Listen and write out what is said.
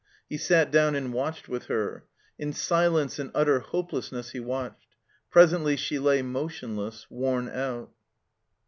He sat down and watched with her. In si lence and utter hopelessness he watched. Presently she lay motionless, worn out.